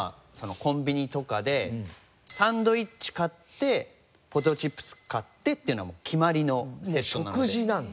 コンビニとかでサンドイッチ買ってポテトチップス買ってっていうのは決まりのセットなので。